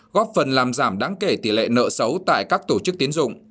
góp phần làm giảm đáng kể tỷ lệ nợ xấu tại các tổ chức tiến dụng